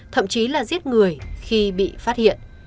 thậm chí là giết người khi bị phát hiện